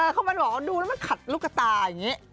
เขามันบอกว่าดูแล้วมันขัดลูกตาอย่างนี้